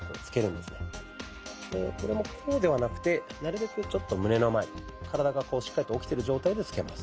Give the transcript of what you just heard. これもこうではなくてなるべくちょっと胸の前体がこうしっかりと起きてる状態でつけます。